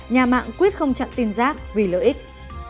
nhà mạng quyết không chặn tin rác vì lợi ích